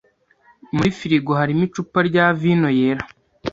Muri firigo harimo icupa rya vino yera.